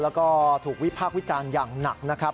แล้วก็ถูกวิพากษ์วิจารณ์อย่างหนักนะครับ